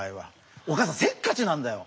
お母さんせっかちなんだよ。